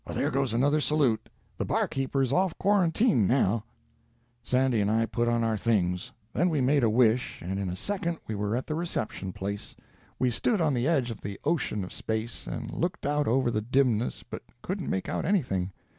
There goes another salute. The barkeeper's off quarantine now." Sandy and I put on our things. Then we made a wish, and in a second we were at the reception place. We stood on the edge of the ocean of space, and looked out over the dimness, but couldn't make out anything.